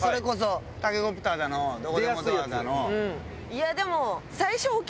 いやでも。